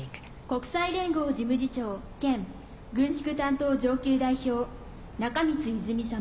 国際連合事務次長兼軍縮担当上級代表、中満泉様。